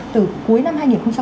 từ cuối năm hai nghìn một mươi chín